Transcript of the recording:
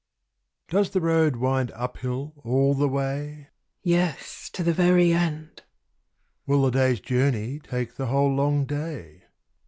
Does the road wind up hill all the way? Yes, to the very end. Will the day's journey take the whole long day?